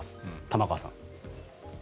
玉川さん。